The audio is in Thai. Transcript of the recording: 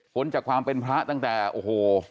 จากความเป็นพระตั้งแต่โอ้โห